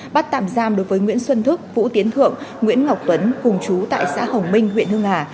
bắt tạm giam đối với nguyễn xuân thức vũ tiến thượng nguyễn ngọc tuấn cùng chú tại xã hồng minh huyện hưng hà